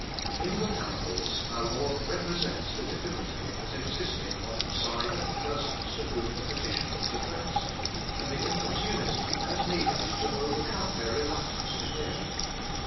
In the parables our Lord represents the difficulty as existing on the side of the persons to whom the petition was addressed, and the importunity as needed to overcome their reluctance to hear.